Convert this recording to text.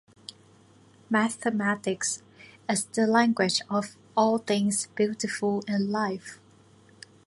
Mathematics is the language of all things beautiful in life.